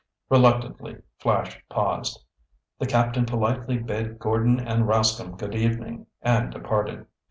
Reluctantly, Flash paused. The captain politely bade Gordon and Rascomb good evening, and departed.